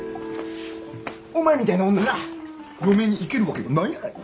お前みたいな女が嫁に行けるわけがないアラニ。